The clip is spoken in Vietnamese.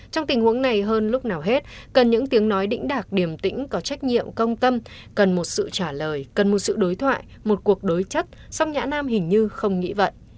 trong tình huống này hơn lúc nào hết cần những tiếng nói đỉnh đạt điểm tĩnh có trách nhiệm công tâm cần một sự trả lời cần một sự đối thoại một cuộc đối chất song nhã nam hình như không nghĩ vậy